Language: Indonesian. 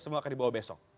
semua akan dibawa besok